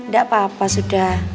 gak apa apa sudah